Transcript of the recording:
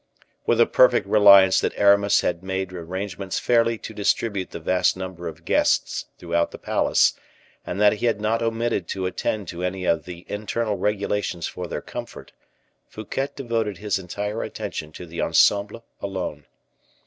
With a perfect reliance that Aramis had made arrangements fairly to distribute the vast number of guests throughout the palace, and that he had not omitted to attend to any of the internal regulations for their comfort, Fouquet devoted his entire attention to the ensemble alone.